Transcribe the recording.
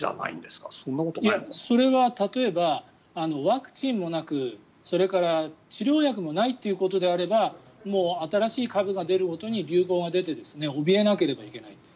いや、それは例えばワクチンもなくそれから治療薬もないということであればもう新しい株が出るごとに流行が出ておびえなければいけない。